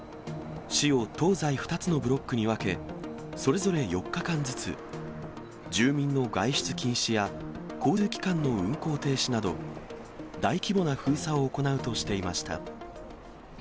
市を東西２つのブロックに分け、それぞれ４日間ずつ、住民の外出禁止や交通機関の運行停止など、大規模な封鎖を行うとしていました。